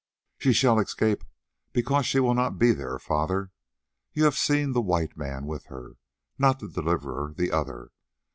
"She shall escape because she will not be there, father. You have seen the white man with her—not the Deliverer, the other.